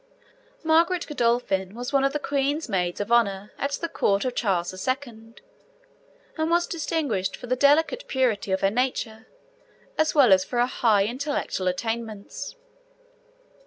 Margaret Godolphin was one of the Queen's Maids of Honour at the Court of Charles II., and was distinguished for the delicate purity of her nature, as well as for her high intellectual attainments.